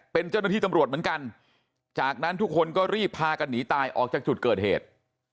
เป็นเจ้าหน้าที่ตำรวจเหมือนกันจากนั้นทุกคนก็รีบพากันหนีตายออกจากจุดเกิดเหตุ